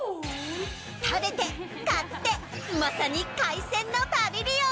食べて、買って、まさに海鮮のパビリオン。